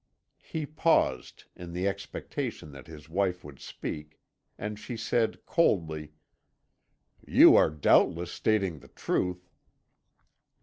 "He paused, in the expectation that his wife would speak, and she said coldly: "'You are doubtless stating the truth.'